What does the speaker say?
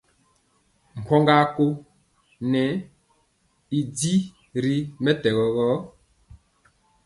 Mpɔŋga a kóo ŋɛ y di ri mɛtɛgɔ gɔ.